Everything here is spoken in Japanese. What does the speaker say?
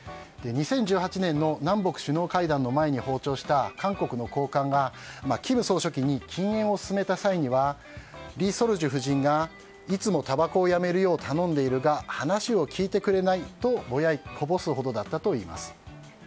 ２０１８年の南北首脳会談の前に訪朝した韓国の高官が金総書記に禁煙を勧めた際にはリ・ソルジュ夫人がいつもたばこをやめるよう頼んでいるが話を聞いてくれないとこぼすほどだったといいます。